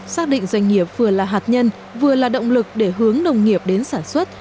xác định doanh nghiệp vừa là hạt nhân vừa là động lực để hướng nông nghiệp đến sản xuất